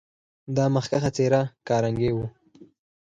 دا مخکښه څېره کارنګي و.